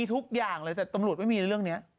แต่ตำรวจไม่มีในนี้